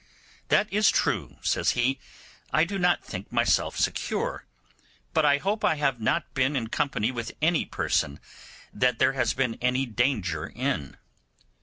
'That is true,' says he; 'I do not think myself secure, but I hope I have not been in company with any person that there has been any danger in.